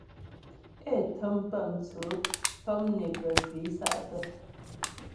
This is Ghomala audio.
É tə́m pə́ mtsʉ' tɔm né pəjwǐ sa'tə́.